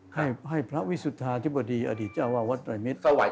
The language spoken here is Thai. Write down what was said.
ให้พระวิสุทธาธิบดีอดีตเจ้าวาดวัดไตรมิตร